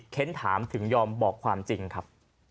เค้นถามถึงยอมบอกความจริงครับ